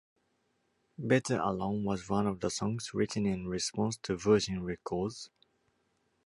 "Better Alone" was one of the songs written in response to Virgin Records.